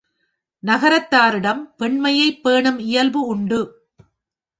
நகரத்தாரிடம் பெண்மையைப் பேணும் இயல்பு உண்டு.